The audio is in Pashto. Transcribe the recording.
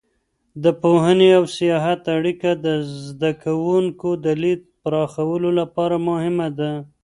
د پوهنې او سیاحت اړیکه د زده کوونکو د لید پراخولو لپاره مهمه ده.